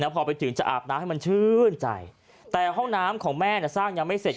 พอไปถึงจะอาบน้ำให้มันชื่นใจแต่ห้องน้ำของแม่เนี่ยสร้างยังไม่เสร็จ